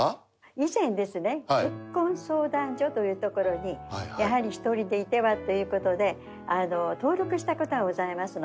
以前ですね結婚相談所という所にやはり１人でいてはという事で登録した事がございますの。